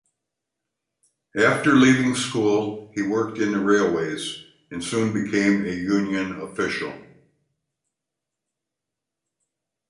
After leaving school, he worked in the railways, and soon became a union official.